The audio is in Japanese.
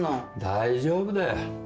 大丈夫だよ。